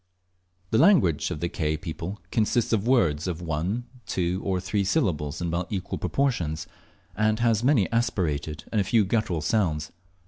The language of the Ke people consists of words of one, two, or three syllables in about equal proportions, and has many aspirated and a few guttural sounds.